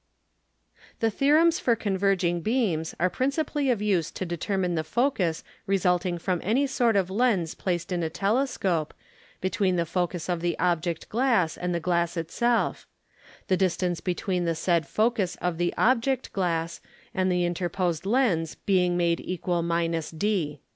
The Theorems for converging Beams, are principally of use to determine the Focus resulting from any sort of Lens placed in a Telescope, between the Focus of the Object Glass and the Glass it self; the distance between the said Focus of the Object Glass, and the interposed Lens being made = d.